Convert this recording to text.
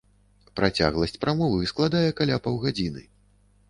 Працягласць прамовы складае каля паўгадзіны.